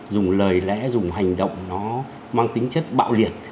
dùng lời lẽ dùng hành động nó mang tính chất bạo liệt